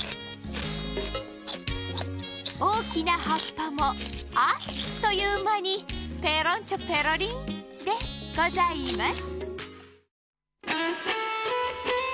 おおきなはっぱもあっというまに「ぺろんちょぺろりん」でございます。